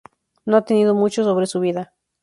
No ha tenido mucho sobre su vida.